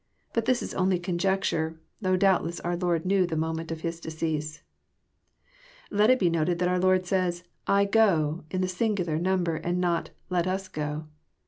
But tills is only conjecture, though doubtless our Lord knew the moment of his decease. Let it be noted that our Lord says, *^ I go," in the singular number, and not *' Let us go."